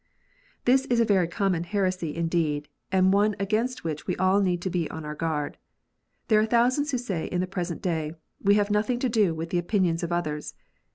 This is a very common heresy indeed, and one against which we all need to be on our guard. There are thousands who say in the present day, " We have nothing to do with the opinions of others.